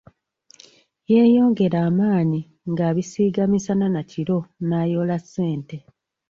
Yeeyongera amaanyi ng’abisiiga misana na kiro n’ayoola ssente.